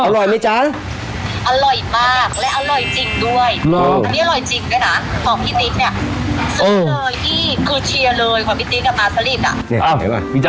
อร่อยไหมจ้า